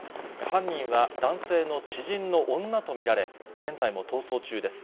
犯人は男性の知人の女と見られ、現在も逃走中です。